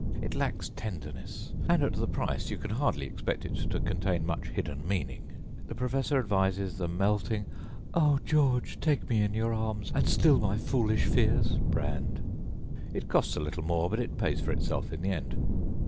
It lacks tenderness, and at the price you can hardly expect it to contain much hidden meaning. The professor advises the melting, Oh George take me in your arms and still my foolish fears brand. It costs a little more, but it pays for itself in the end.